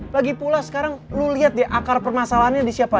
lagipula sekarang lo liat ya akar permasalahannya di siapa